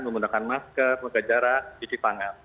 menggunakan masker menggajara cuci tangan